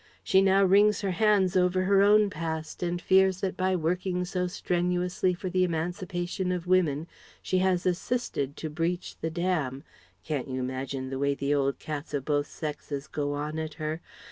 She now wrings her hands over her own past and fears that by working so strenuously for the emancipation of women she has assisted to breach the dam Can't you imagine the way the old cats of both sexes go on at her?